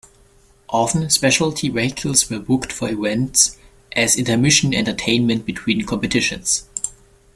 Often, specialty vehicles were booked for events as intermission entertainment between competitions.